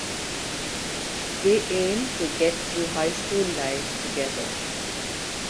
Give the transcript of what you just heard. They aim to get through high school life together.